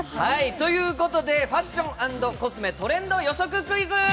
ということでファッション・コスメ部門トレンド予測クイズ。